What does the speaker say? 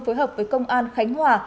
phối hợp với công an khánh hòa